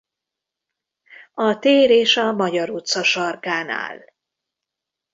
A tér és a Magyar utca sarkán áll.